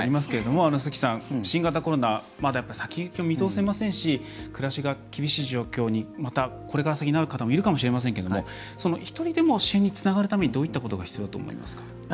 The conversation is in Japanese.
新型コロナまだ先行き見通せませんし暮らしが厳しい状況にまたこれから先なる方もいるかもしれませんけれども一人でも支援につながるためにどういったことが必要だと思いますか？